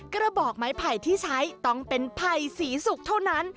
กระบอกไม้ไผ่ที่ใช้ต้องเป็นไผ่สีสุกเท่านั้น